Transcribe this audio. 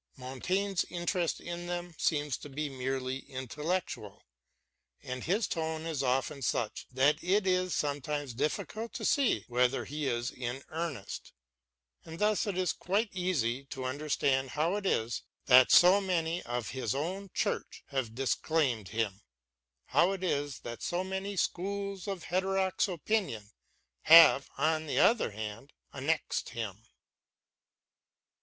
Montaigne's interest in them seems to be mainly intellectual, and his tone is often BROWNING AND MONTAIGNE 227 such that it is sometimes difficult to see whether he is in earnest ; and thus it is quite easy to understand how it is that so many of his own Church have disclaimed him ; how it is that so many schools of heterodox opinion have, on the other hand, annexed him.